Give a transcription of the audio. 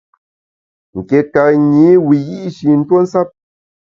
Nké ka nyi wiyi’shi ntuo nsap.